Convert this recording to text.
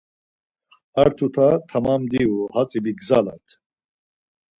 Ar tuta tamam divu, hatzi bigzalat.